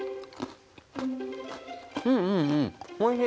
うんうんうんおいしい！